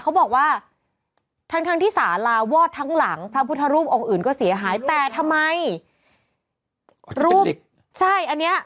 เขาบอกว่าทั้งที่สาราวอดทั้งหลังพระพุทธรูปองค์อื่นก็เสียหาย